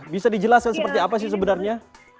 bisa dijelaskan seperti apa sih sebenarnya